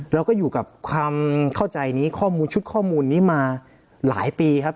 แล้วก็อยู่กับความเข้าใจนี้ข้อมูลชุดข้อมูลนี้มาหลายปีครับ